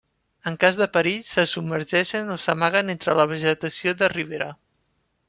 En cas de perill, se submergeixen o s'amaguen entre la vegetació de ribera.